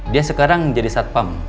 dia sekarang jadi satpam